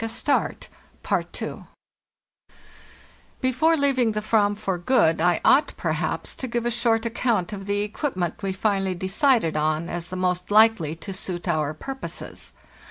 112 FARTHEST NORTH Before leaving the /vam for good I ought, perhaps, to give a short account of the equipment we finally decided on as the most likely to suit our purposes.